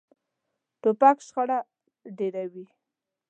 توپک شخړه ډېروي.